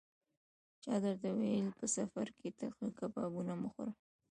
چا درته ویل: په سفر کې ترخه کبابونه مه خوره.